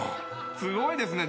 すごいですね。